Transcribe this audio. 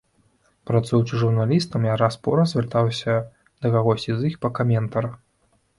Працуючы журналістам, я раз-пораз звяртаўся да кагосьці з іх па каментар.